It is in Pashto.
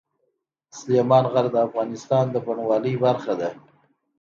سلیمان غر د افغانستان د بڼوالۍ برخه ده.